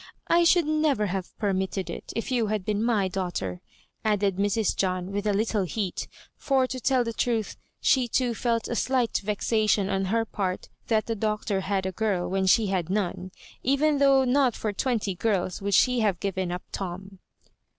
I should never have per mitted it if you had been my daughter," added Mrs. John, with a little heat — ^for, to tell the truth, she too felt a slight vexation on her part that the Doctor had a girl when she had none, even though not for twenty g^rls would she have given up Tom.